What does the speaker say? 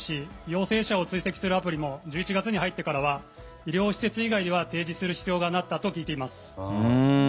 陽性者を追跡するアプリも１１月に入ってからは医療施設以外では提示する必要がなくなったと聞いています。